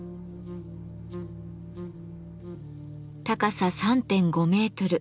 高さ３．５メートル